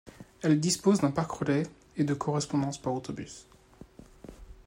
Elle dispose d'un parc relais et de correspondances par autobus.